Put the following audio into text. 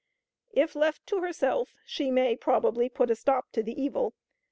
"If left to herself, she may probably put a stop to the evil.